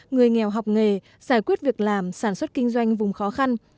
người nghèo học nghề giải quyết việc làm sản xuất kinh doanh vùng khó khăn